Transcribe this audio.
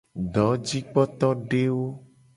Dojikpotodewo.